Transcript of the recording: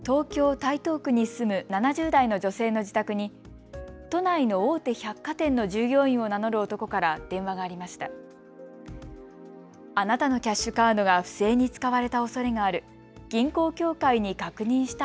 台東区に住む７０代の女性の自宅に都内の大手百貨店の従業員を名乗る男から電話がありました。